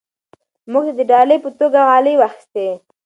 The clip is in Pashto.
موږ د ډالۍ په توګه غالۍ واخیستې.